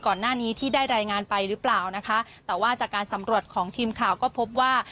ก่อนหน้านี้ที่ได้รายงานไปหรือเปล่านะคะแต่ว่าจากการสำรวจของทีมข่าวก็พบว่า